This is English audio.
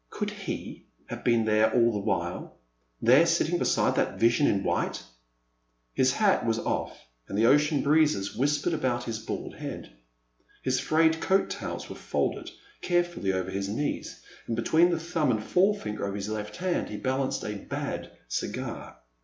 Could he have been there all the while, — ^there sitting beside that vision in white ? His hat was off, and the ocean breezes whispered about his bald head. His frayed coat tails were folded carefully over his knees, and between the thumb and forefinger of his left hand he balanced a bad dgar.